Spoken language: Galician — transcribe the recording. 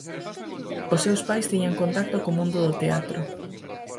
Os seus pais tiñan contacto co mundo do teatro.